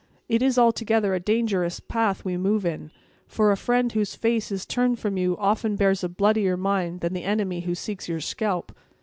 It is, altogether, a dangerous path we move in; for a friend whose face is turned from you often bears a bloodier mind than the enemy who seeks your scalp."